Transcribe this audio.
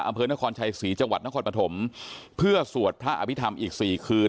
อำเภอนครชัยศรีจังหวัดนครปฐมเพื่อสวดพระอภิษฐรรมอีกสี่คืน